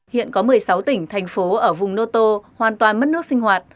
hiện có một mươi sáu tỉnh thành phố ở vùng noto hoàn toàn mất nước sinh hoạt